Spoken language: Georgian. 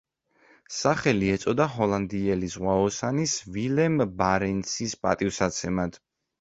სახელი ეწოდა ჰოლანდიელი ზღვაოსანის ვილემ ბარენცის პატივსაცემად.